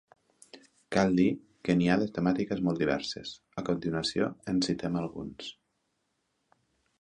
Cal dir que n'hi ha de temàtiques molt diverses, a continuació en citem alguns.